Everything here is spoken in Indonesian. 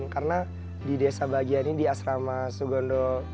karena di desa bahagia ini di asrama sugondo